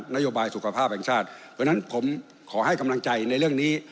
เพราะฉะนั้นผมขอให้กำลังใจในเรื่องนี้